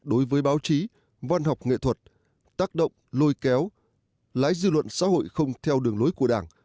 đối với báo chí văn học nghệ thuật tác động lôi kéo lái dư luận xã hội không theo đường lối của đảng